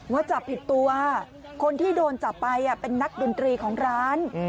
ว่าจับผิดตัวคนที่โดนจับไปเป็นนักดนตรีของร้าน